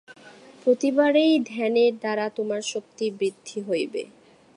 প্রতিবারেই ধ্যানের দ্বারা তোমার শক্তি বৃদ্ধি হইবে।